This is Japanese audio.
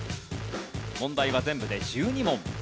問題は全部で１２問。